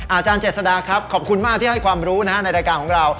อาจารย์เจษฎาครับขอบคุณมากที่ให้ความรู้นะฮะในรายการของเรา